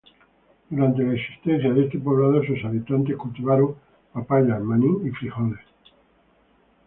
Durante la existencia de este poblado sus habitantes cultivaron papayas, maní y frijoles.